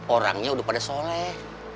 orangnya udah pada soleh